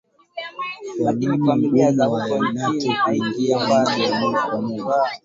kwa nini kuna ugumu kwa nato kuingia moja kwa moja